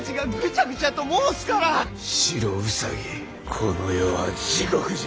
この世は地獄じゃ。